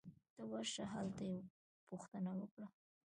ته ورشه ! هلته یې پوښتنه وکړه